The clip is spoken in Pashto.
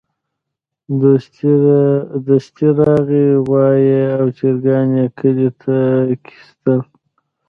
دستي راغی غوايي او چرګان يې کلي ته کېستل.